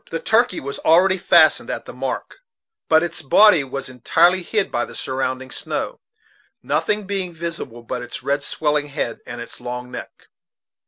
The turkey was already fastened at the "mark," but its body was entirely hid by the surrounding snow, nothing being visible but its red swelling head and its long neck.